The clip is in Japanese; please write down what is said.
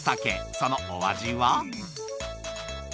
そのお味は？